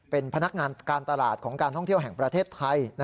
เป็นพนักงานการตลาดของการท่องเที่ยวแห่งประเทศไทย